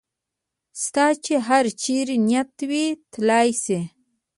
ستا چې هر چېرې نیت وي تلای شې.